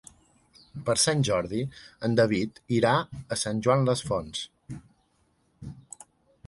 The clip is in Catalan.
Per Sant Jordi en David irà a Sant Joan les Fonts.